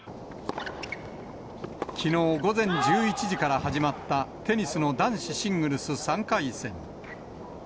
きのう午前１１時から始まったテニスの男子シングルス３回戦。